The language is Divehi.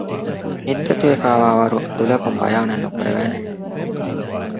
ހިތްދަތި ވެފައިވާވަރު ދުލަކުން ބަޔާނެއް ނުކުރެވޭނެ